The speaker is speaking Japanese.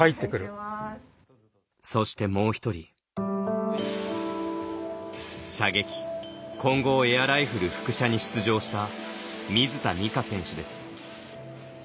そしてもう１人射撃・混合エアライフル伏射に出場した水田光夏選手です。